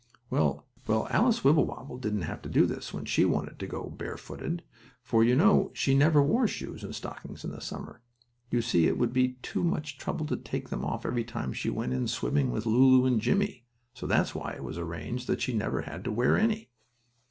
Well, Alice Wibblewobble didn't have to do this when she wanted to go barefooted, for, you know, she never wore shoes and stockings in summer. You see it would be too much trouble to take them off every time she went in swimming with Lulu and Jimmie, so that's why it was arranged that she never had to wear any.